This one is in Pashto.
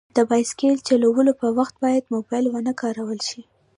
د بایسکل چلولو په وخت باید موبایل ونه کارول شي.